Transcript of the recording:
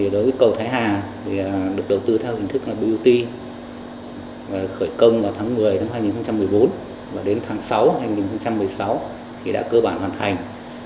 đối với cầu thái hà được đầu tư theo hình thức bot khởi công vào tháng một mươi năm hai nghìn một mươi bốn và đến tháng sáu hai nghìn một mươi sáu thì đã cơ bản hoàn thành